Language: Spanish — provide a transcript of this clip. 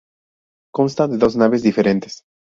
Consta de dos naves diferentes.